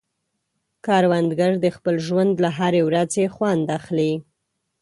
کروندګر د خپل ژوند له هرې ورځې خوند اخلي